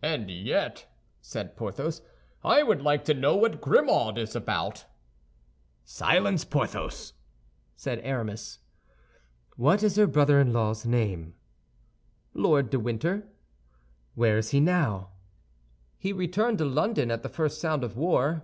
"And yet," said Porthos, "I would like to know what Grimaud is about." "Silence, Porthos!" said Aramis. "What is her brother in law's name?" "Lord de Winter." "Where is he now?" "He returned to London at the first sound of war."